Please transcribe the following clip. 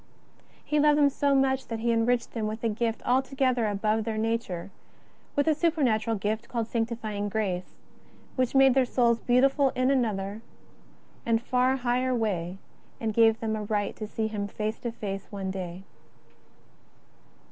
He loved them so much that He enriched them with a gift altogether above their nature, with a supernatural gift called sanctifying grace, which made their souls beautiful in another and far higher way, and gave them a right to see Him face to face one day.